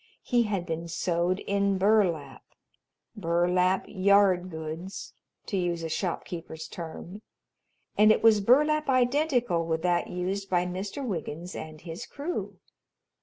He had been sewed in burlap burlap "yard goods," to use a shopkeeper's term and it was burlap identical with that used by Mr. Wiggins and his crew.